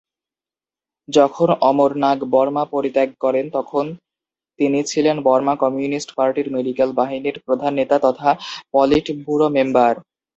যখন অমর নাগ বর্মা পরিত্যাগ করেন তখন তিনি ছিলেন বর্মা কমিউনিস্ট পার্টির মেডিক্যাল বাহিনীর প্রধান নেতা তথা পলিটব্যুরো মেম্বার।